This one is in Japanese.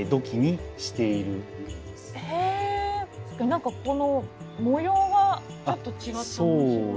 何かこの模様がちょっと違って面白い。